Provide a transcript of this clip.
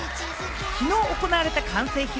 きのう行われた完成披露